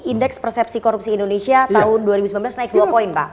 indeks persepsi korupsi indonesia tahun dua ribu sembilan belas naik dua poin pak